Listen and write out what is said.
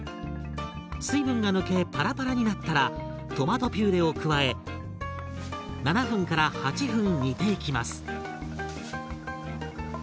水分が抜けパラパラになったらトマトピューレを加え７分から８分煮ていきます。